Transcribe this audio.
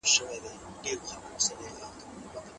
تاسو کولای شئ چې مېوې په خپلو ډالیو کې شاملې کړئ.